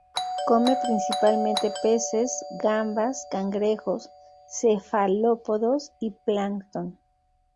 Come principalmente peces, gambas, cangrejos, cefalópodos y plancton.